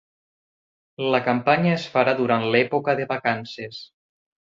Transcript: La campanya es farà durant l'època de vacances